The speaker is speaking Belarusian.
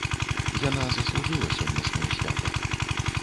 І яна заслужыла сённяшняе свята.